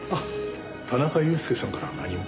田中裕介さんからは何も？